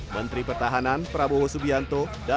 menteri pertahanan prabowo hondra